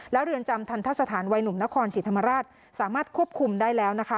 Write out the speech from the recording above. แล้วเรือนจำทันทะสถานวัยหนุ่มนครศรีธรรมราชสามารถควบคุมได้แล้วนะคะ